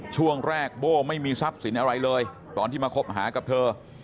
ช่วงแรกโบ้ไม่มีทรัพย์สินอะไรเลยตอนที่มาคบหากับเธอ